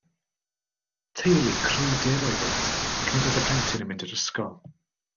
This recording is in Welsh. Teulu crwydr oeddynt, ac nid oedd y plentyn yn mynd i'r ysgol.